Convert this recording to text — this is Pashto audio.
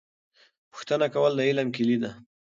پوښتنه کول د علم کیلي ده.